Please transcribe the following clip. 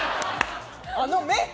あの目。